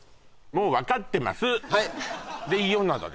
もう分かってます